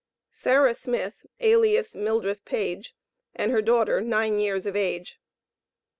SARAH SMITH, alias MILDRETH PAGE, and her daughter, nine years of age.